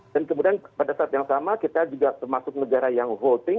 dan kemudian pada saat yang sama kita juga termasuk negara yang voting